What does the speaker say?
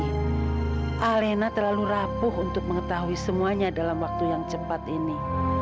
alena terlalu rapuh untuk mengetahui semuanya dalam waktu yang cepat ini